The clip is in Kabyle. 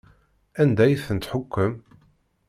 Anda ay tent-tḥukkem?